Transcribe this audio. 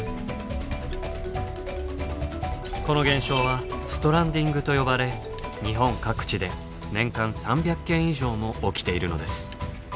この現象はストランディングと呼ばれ日本各地で年間３００件以上も起きているのです。